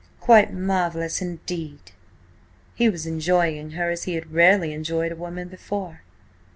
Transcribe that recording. "Quite marvellous, indeed." He was enjoying her as he had rarely enjoyed a woman before.